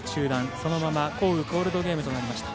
そのまま降雨コールドとなりました。